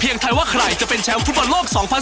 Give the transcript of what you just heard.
เพียงไทยว่าใครจะเป็นแชมพุทธบนโลก๒๐๑๘